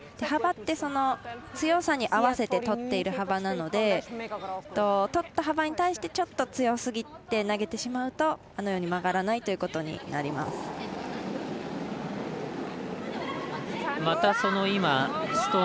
幅って強さに合わせてとっている幅なのでとった幅に対してちょっと強すぎて投げてしまうとあのように曲がらないということになってしまいます。